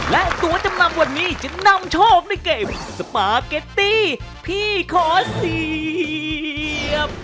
และตัวจำนำวันนี้จะนำโชคในเกมสปาเกตตี้พี่ขอเสียบ